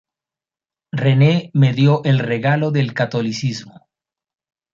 Renee me dio el regalo del Catolicismo.